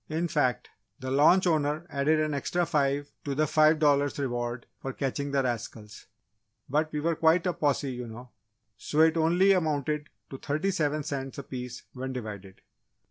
In fact, the launch owner added an extra five to the five dollars reward for catching the rascals. But we were quite a posse, you know, so it only amounted to thirty seven cents a piece, when divided."